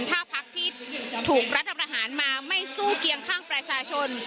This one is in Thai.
ถ้าพักที่ถูกรัฐประหารมาไม่สู้เคียงข้างประชาชน